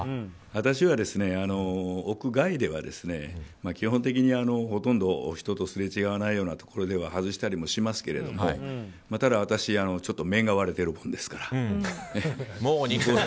私は、屋外では基本的に、ほとんど人とすれ違わないようなところでは外したりもしますけどもただ、私ちょっと面が割れてるものですから。